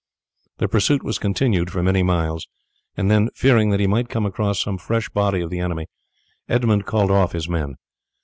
The pursuit was continued for many miles, and then, fearing that he might come across some fresh body of the enemy, Edmund called off his men.